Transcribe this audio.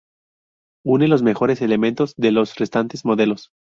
Une los mejores elementos de los restantes modelos.